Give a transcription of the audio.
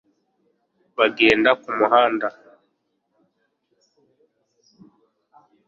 bagenda kumuhanda